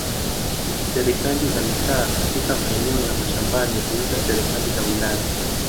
Serikali za mitaa katika maeneo ya mashambani huitwa serikali za wilaya.